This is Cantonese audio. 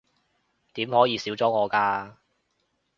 點可以少咗我㗎